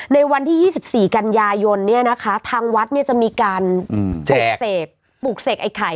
ในวันที่๒๔กันยายนเนี่ยนะคะทางวัดเนี่ยจะมีการปลูกเสกปลูกเสกไอ้ไข่